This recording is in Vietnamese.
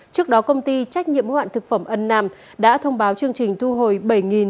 trước đó công ty trách nhiệm bố hạn thực phẩm ân nam đã thông báo chương trình thu hồi